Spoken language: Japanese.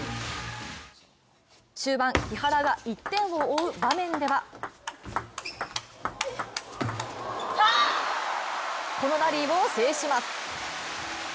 終盤、木原が１点を追う場面ではこのラリーを制します。